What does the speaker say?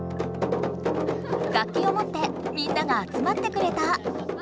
楽きをもってみんながあつまってくれた。